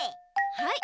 はい！